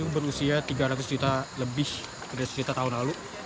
ini berusia tiga ratus juta lebih dari seratus juta tahun lalu